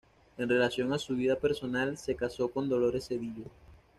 En relación a su vida personal, se casó con Dolores Cedillo.